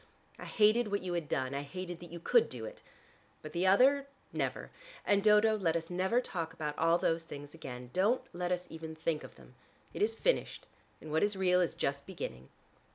"I hated what you had done: I hated that you could do it. But the other, never. And, Dodo, let us never talk about all those things again, don't let us even think of them. It is finished, and what is real is just beginning."